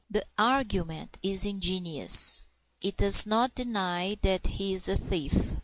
The argument is ingenious. It does not deny that he is a thief.